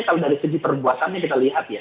misal dari segi perbuatan yang kita lihat ya